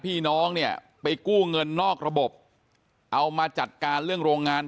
พี่น้องเนี่ยไปกู้เงินนอกระบบเอามาจัดการเรื่องโรงงาน